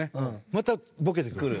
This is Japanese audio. またボケてくる。